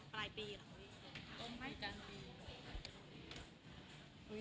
ปลายปีเหรอ